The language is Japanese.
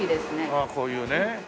ああこういうね。